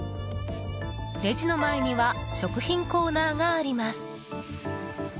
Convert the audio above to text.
レジの前には食品コーナーがあります。